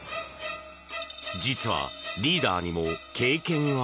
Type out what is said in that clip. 実は、リーダーにも経験が。